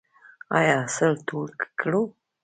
آیا حاصل ټول کړو؟